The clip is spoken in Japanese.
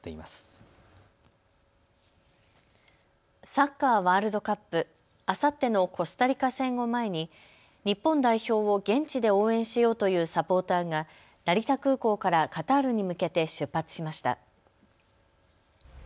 サッカーワールドカップ、あさってのコスタリカ戦を前に日本代表を現地で応援しようというサポーターが成田空港からカタールに向けて出発しました。